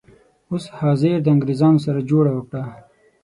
اوس حاضر د انګریزانو سره جوړه وکړه.